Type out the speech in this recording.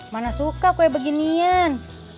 mana suka kue beginian